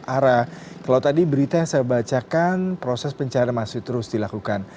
ara kalau tadi berita yang saya bacakan proses pencarian masih terus dilakukan